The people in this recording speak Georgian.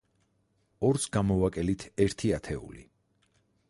ორს გამოვაკელით ერთი ათეული.